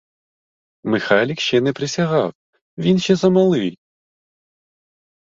Михайлик ще не присягав — він ще замалий.